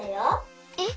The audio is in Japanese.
えっ！？